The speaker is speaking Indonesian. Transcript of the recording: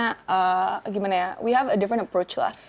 kita punya pendekatan yang berbeda